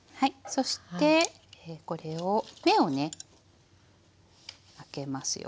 そしてこれを目をね開けますよ。